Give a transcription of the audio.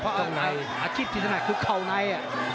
อาชีพที่ถนัดคือเข้าใน